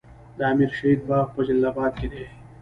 د امیر شهید باغ په جلال اباد کې دی